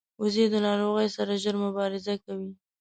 وزې د ناروغۍ سره ژر مبارزه کوي